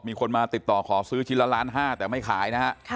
มีคนมาติดต่อขอซื้อชิ้นละล้านห้าแต่ไม่ขายนะฮะ